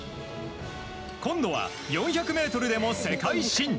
今度は、４００ｍでも世界新。